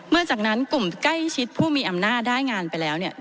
จากนั้นกลุ่มใกล้ชิดผู้มีอำนาจได้งานไปแล้วเนี่ย